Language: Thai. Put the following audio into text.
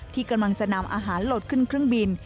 ที่กำลังจะนำอาหารโหลดขึ้นเครื่องบิน